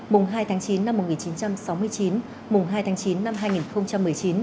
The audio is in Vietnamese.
mùng hai tháng chín năm một nghìn chín trăm sáu mươi chín mùng hai tháng chín năm hai nghìn một mươi chín